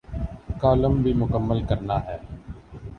Column بھی مکمل کرنا ہے۔